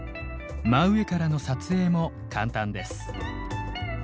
真上からの撮影も簡単です。